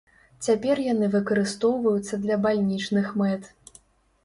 Цяпер яны выкарыстоўваюцца для бальнічных мэт.